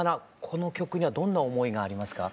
この曲にはどんな思いがありますか？